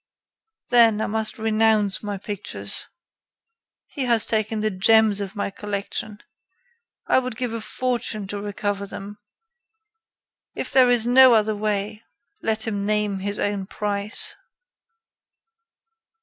"Then, I must renounce my pictures! He has taken the gems of my collection. I would give a fortune to recover them. If there is no other way, let him name his own price."